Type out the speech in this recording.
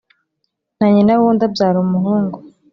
Na nyina w’undi abyara umuhungu.